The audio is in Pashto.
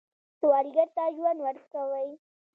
سوالګر ته ژوند ورکوئ